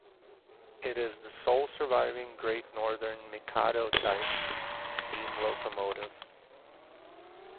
It is the sole surviving Great Northern "Mikado" type steam locomotive.